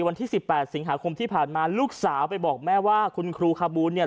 วันที่สิบแปดสิงหาคมที่ผ่านมาลูกสาวไปบอกแม่ว่าคุณครูคาบูลเนี่ย